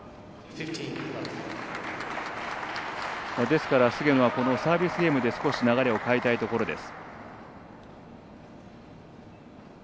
ですから菅野はサービスゲームで少し流れを変えたいところです。